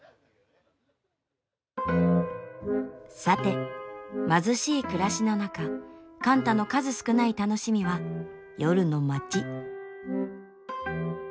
さて貧しい暮らしの中貫多の数少ない楽しみは夜の街。